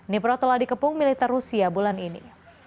nipro telah dikepung militer rusia bulan ini